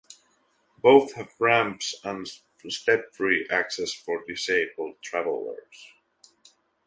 Both have ramps and step-free access for disabled travellers.